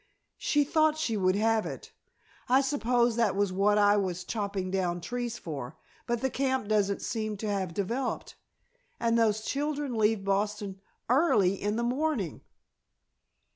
She thought she would have it I suppose that was what I was chopping down trees for but the camp doesn't seem to have developed. And those children leave Boston early in the morning!"